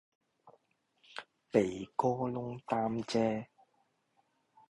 鼻哥窿擔遮